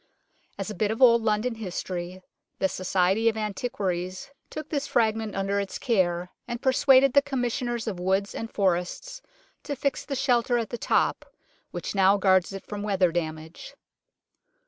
As a bit of old London history, the Society of Antiquaries took this fragment under its care, and persuaded the Commissioners of Woods and Forests to fix the shelter at the top which now guards it from weather damage.